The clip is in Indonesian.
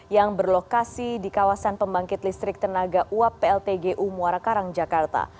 yang berlokasi di kawasan pembangkit listrik tenaga uap pltgu muara karang jakarta